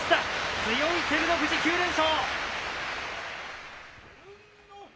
強い照ノ富士、９連勝。